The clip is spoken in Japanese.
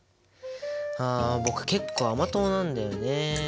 あ僕結構甘党なんだよね。